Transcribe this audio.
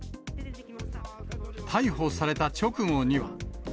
逮捕された直後には。